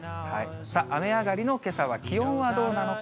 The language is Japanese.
雨上がりのけさは気温はどうなのか。